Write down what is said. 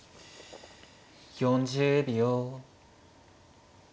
４０秒。